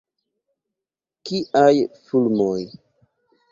Kiaj fulmoj!